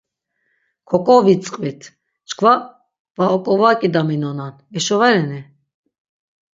Kok̆ovitzqvit, çkva va ok̆ovak̆idaminonan, eşo va reni?